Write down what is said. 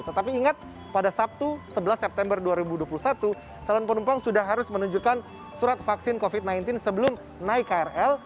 tetapi ingat pada sabtu sebelas september dua ribu dua puluh satu calon penumpang sudah harus menunjukkan surat vaksin covid sembilan belas sebelum naik krl